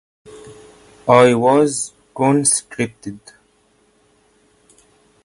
I was conscripted.